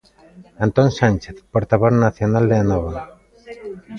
Antón Sánchez, portavoz nacional de Anova.